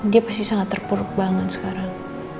dia pasti sangat terpuruk banget sekarang